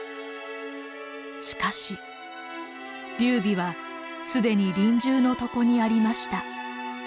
しかし劉備は既に臨終の床にありました。